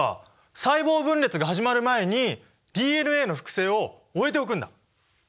細胞分裂が始まる前にＤＮＡの複製を終えておくんだ。